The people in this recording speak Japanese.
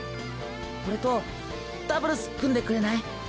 俺とダブルス組んでくれない？